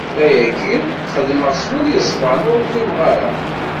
Ayagi xedmeɣ-t s wul yeṣfan, ur ḍlimeɣ ara!